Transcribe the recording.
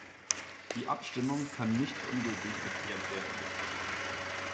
Die Abstimmung kann nicht für ungültig erklärt werden.